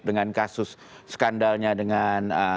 dengan kasus skandalnya dengan